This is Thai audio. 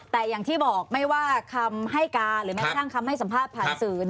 แต่อย่างที่บอกไม่ว่าคำให้การหรือแม้กระทั่งคำให้สัมภาษณ์ผ่านสื่อ